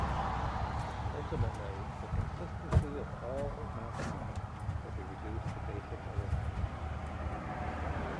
Ultimately, the consistency of all of mathematics could be reduced to basic arithmetic.